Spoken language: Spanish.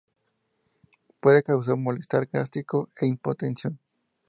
Puede causar malestar gástrico e hipotensión.